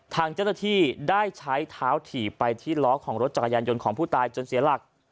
ทางเจ้าหน้าที่ได้ใช้เท้าถีบไปที่ล้อของรถจักรยานยนต์ของผู้ตายจนเสียหลัก